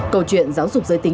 câu chuyện giáo dục giới tính